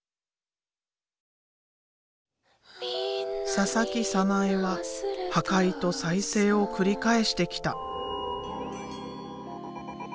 佐々木早苗は破壊と再生を繰り返してきた。